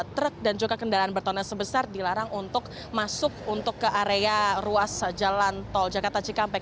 truk dan juga kendaraan bertona sebesar dilarang untuk masuk untuk ke area ruas jalan tol jakarta cikampek